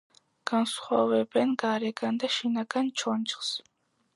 განასხვავებენ გარეგან და შინაგან ჩონჩხს.